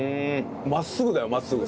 真っすぐだよ真っすぐ。